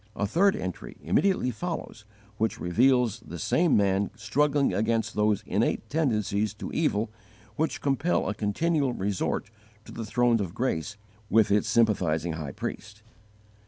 A third entry immediately follows which reveals this same man struggling against those innate tendencies to evil which compel a continual resort to the throne of grace with its sympathizing High Priest.